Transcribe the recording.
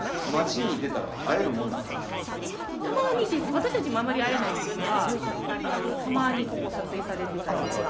私たちもあんまり会えないんですがたまにここ撮影されてたりとか。